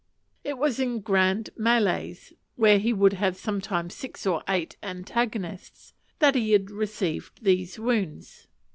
It was in grand mélées, where he would have sometimes six or eight antagonists, that he had received these wounds.